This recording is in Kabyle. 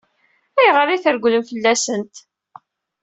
Ayɣer i tregglem fell-asent?